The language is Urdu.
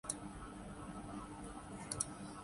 مستفید کون ہوا اس کاؤس سے ۔